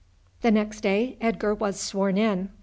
The next day Edgar was sworn in.